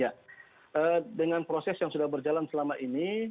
ya dengan proses yang sudah berjalan selama ini